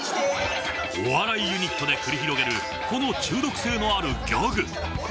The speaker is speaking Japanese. お笑いユニットで繰り広げるこの中毒性のあるギャグ。